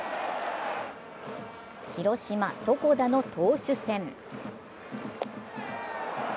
広島・床田の投手戦。